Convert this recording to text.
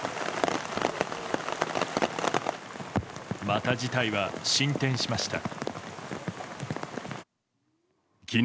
また事態は進展しました。